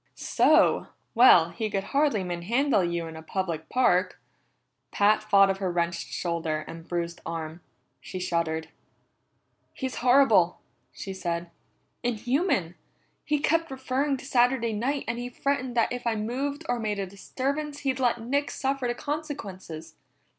"So! Well, he could hardly manhandle you in a public park." Pat thought of her wrenched shoulder and bruised arm. She shuddered. "He's horrible!" she said. "Inhuman! He kept referring to Saturday night, and he threatened that if I moved or made a disturbance he'd let Nick suffer the consequences.